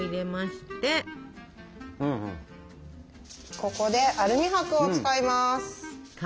ここでアルミ箔を使います。